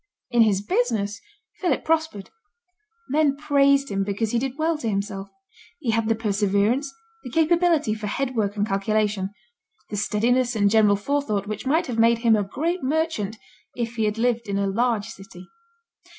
In his business Philip prospered. Men praised him because he did well to himself. He had the perseverance, the capability for head work and calculation, the steadiness and general forethought which might have made him a great merchant if he had lived in a large city.